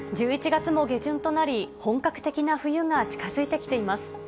１１月も下旬となり、本格的な冬が近づいてきています。